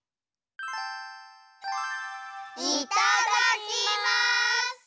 いただきます！